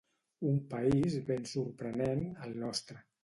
Un país ben sorprenent, el nostre.